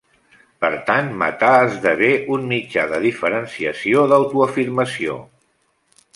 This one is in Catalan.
Per tant matar esdevé un mitjà de diferenciació, d'autoafirmació.